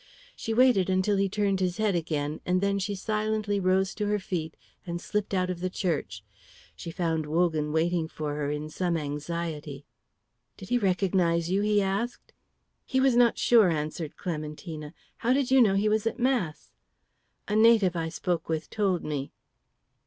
She waited until he turned his head again, and then she silently rose to her feet and slipped out of the church. She found Wogan waiting for her in some anxiety. "Did he recognise you?" he asked. "He was not sure," answered Clementina. "How did you know he was at Mass?" "A native I spoke with told me."